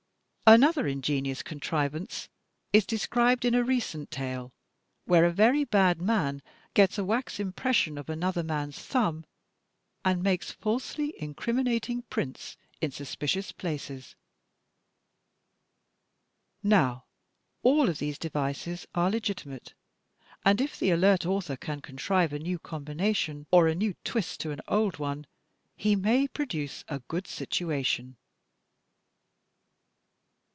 Another ingenious contrivance is described in a recent tale, where a very bad man gets a wax impression of another man's thumb and makes falsely incriminating prints in sus picious places. Now all of these devices are legitimate, and if the alert author can contrive a new combination, or a new twist to an old one, he may produce a good situation.